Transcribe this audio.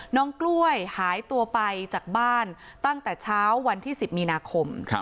น้องกล้วยหายตัวไปจากบ้านตั้งแต่เช้าวันที่๑๐มีนาคม